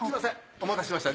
お待たせしました。